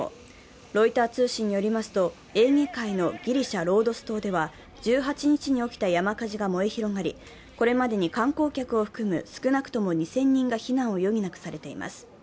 ロイター通信によりますとエーゲ海のギリシャ・ロードス島では１８日に起きた山火事が燃え広がり、これまでに観光客を含む少なくとも２０００人が避難を余儀なくされています。